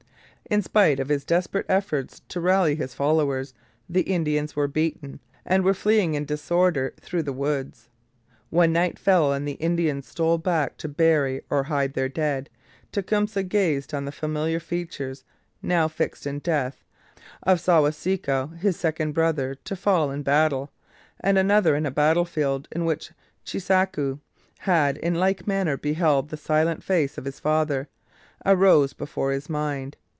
In spite of his desperate efforts to rally his followers, the Indians were beaten and were fleeing in disorder through the woods. When night fell and the Indians stole back to bury or hide their dead, Tecumseh gazed on the familiar features, now fixed in death, of Sauwaseekau, his second brother to fall in battle; and another battlefield, in which Cheeseekau had in like manner beheld the silent face of his father, arose before his mind.